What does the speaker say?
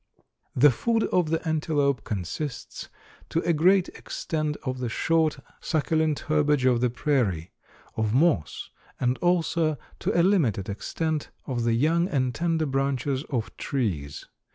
The food of the antelope consists to a great extent of the short, succulent herbage of the prairie, of moss, and also, to a limited extent, of the young and tender branches of trees.